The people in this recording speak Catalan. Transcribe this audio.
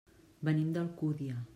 Venim d'Alcúdia.